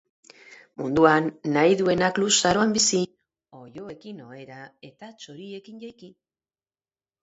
Munduan nahi duenak luzaroan bizi, oiloekin ohera eta txoriekin jaiki.